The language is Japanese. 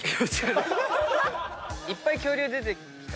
いっぱい恐竜出てきた？